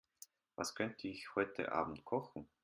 Was könnte ich heute Abend kochen?